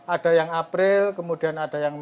ada yang april kemudian ada yang mei juga ada yang juni